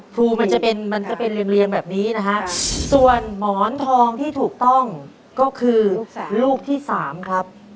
ครูมันจะเป็นมันจะเป็นเรียงแบบนี้นะฮะส่วนหมอนทองที่ถูกต้องก็คือลูกที่สามครับ